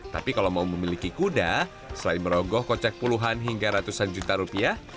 tapi kalau mau memiliki kuda selain merogoh kocek puluhan hingga ratusan juta rupiah